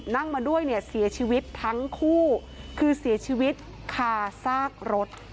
นั่งมาด้วยเนี่ยเสียชีวิตทั้งคู่คือเสียชีวิตคาซากรถ